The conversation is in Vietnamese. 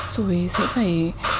rồi sẽ phải